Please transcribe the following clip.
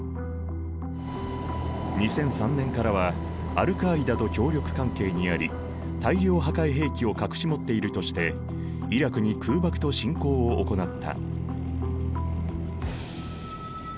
２００３年からはアルカーイダと協力関係にあり大量破壊兵器を隠し持っているとしてイラクに空爆と侵攻を行った。